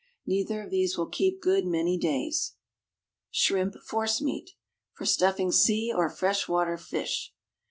Neither of these will keep good many days. =Shrimp Forcemeat=, for stuffing sea or fresh water fish.